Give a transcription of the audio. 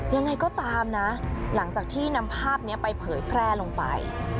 ยังไงก็ตามนะหลังจากที่นำภาพนี้ไปเผยแพร่ลงไป